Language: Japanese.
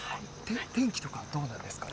天気とかどうなんですかね？